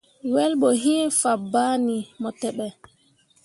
Wel ɓo iŋ fabaŋni mo teɓe.